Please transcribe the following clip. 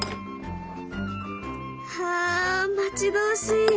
ああ待ち遠しい！